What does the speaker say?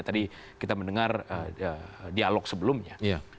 tadi kita mendengar dialog sebelumnya